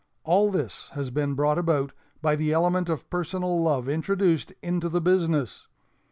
All this has been brought about by the element of personal love introduced into the business.